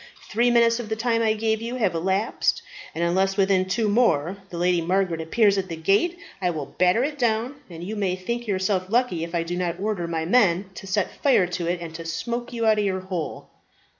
Three minutes of the time I gave you have elapsed, and unless within two more the Lady Margaret appears at the gate I will batter it down; and you may think yourself lucky if I do not order my men to set light to it and to smoke you out of your hole."